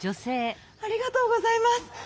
ありがとうございます。